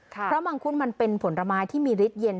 เพราะมังคุดมันเป็นผลไม้ที่มีฤทธิเย็น